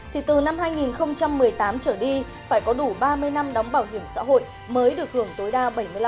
thì từ năm hai nghìn một mươi tám trở đi phải có đủ ba mươi năm đóng bảo hiểm xã hội mới được hưởng tối đa bảy mươi năm